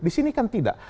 di sini kan tidak